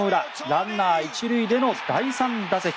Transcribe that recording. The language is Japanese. ランナー１塁での第３打席。